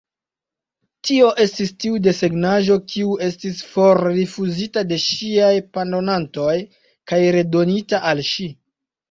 Tio estis tiu desegnaĵo, kiu estis forrifuzita de ŝiaj pandonantoj kaj redonita al ŝi.